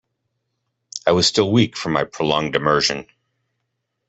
I was still weak from my prolonged immersion.